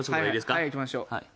はいいきましょう。